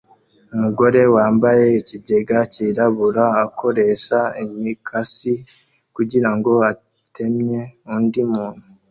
Umugore wambaye ikigega cyirabura akoresha imikasi kugirango atemye undi muntu